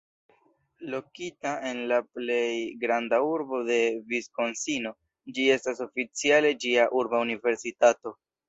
Lokita en la plej granda urbo de Viskonsino, ĝi estas oficiale ĝia "urba universitato".